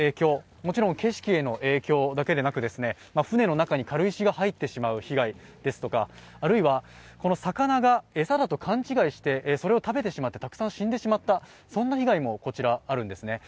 もちろん景色への影響だけでなく、船の中に軽石が入ってしまうとかあるいは魚が餌だと勘違いして食べてしまってたくさん死んでしまった被害もあるんですね。